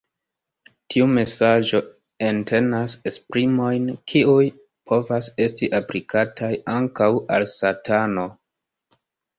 Tiu mesaĝo entenas esprimojn kiuj povas esti aplikataj ankaŭ al Satano.